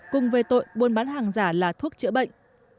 cùng về tội buôn bán hàng giả là thuốc chữa bệnh